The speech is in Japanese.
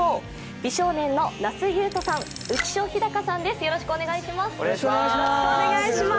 美少年の那須雄登さん、浮所飛貴さんです。